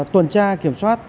tuần tra kiểm soát